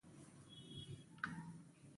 مېلمه ته که ناوخته راغلی، هم ښه راغلاست ووایه.